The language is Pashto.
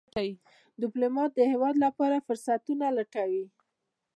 ډيپلومات د هېواد لپاره فرصتونه لټوي.